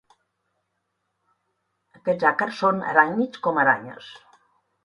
Aquests àcars són aràcnids com aranyes.